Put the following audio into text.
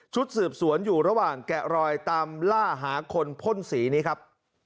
สืบสวนอยู่ระหว่างแกะรอยตามล่าหาคนพ่นสีนี้ครับ